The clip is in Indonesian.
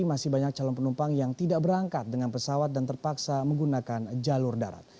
masih banyak calon penumpang yang tidak berangkat dengan pesawat dan terpaksa menggunakan jalur darat